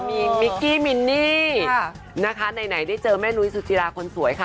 มีมิกกี้มินนี่นะคะไหนได้เจอแม่นุ้ยสุจิราคนสวยค่ะ